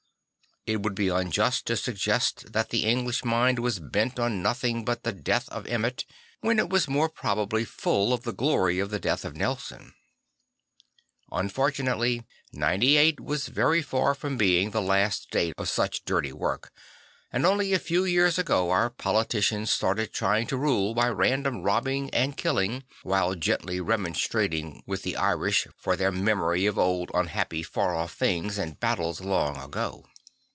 It would be unjust to suggest that the English mind was bent on nothing but the death of Emmett, when it was more probably full of the glory of the death of Nelson. Unfortunately J 9 8 was very far from being the last date of such dirty work; and only a few years ago our politic ians started trying to rule by random robbing and killing, while gently remonstrating with the 22 St. Francis of A ssisi Irish for their memory of old unhappy far off things and battles long ago.